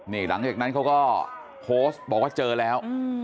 นี่หลังจากนั้นเขาก็โพสต์บอกว่าเจอแล้ว